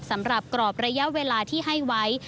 สำหรับกรอบระยะเวลาที่ให้ไว้